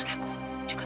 tidak ada foto